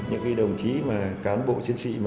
những đồng chí cán bộ chiến sĩ